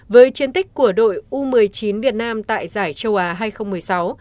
với chiến tích của đội u một mươi chín việt nam tại giải châu á hai nghìn một mươi sáu